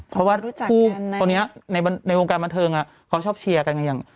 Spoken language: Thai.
เพราะว่าตัวนี้ในวงการบัททึงเค้าชอบเชียร์กันกันอย่าง